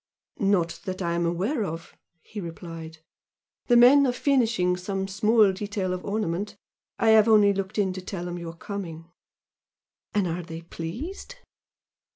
"Not that I am aware of" he replied "The men are finishing some small detail of ornament. I have only looked in to tell them you are coming." "And are they pleased?"